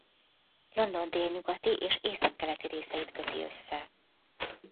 London délnyugati és északkeleti részeit köti össze.